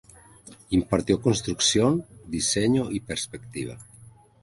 Impartió construcción, diseño y perspectiva.